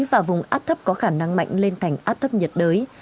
và vùng áp thấp có khả năng mạnh lên thành áp thấp nhiệt đới